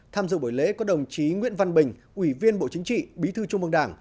tham dự buổi lễ có đồng chí nguyễn văn bình ủy viên bộ chính trị bí thư trung mương đảng